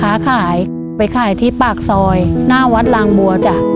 ค้าขายไปขายที่ปากซอยหน้าวัดลางบัวจ้ะ